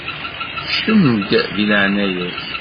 Kcem-d di leɛnaya-k.